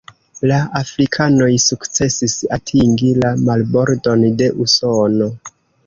La afrikanoj sukcesis atingi la marbordon de Usono.